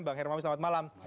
bang hermami selamat malam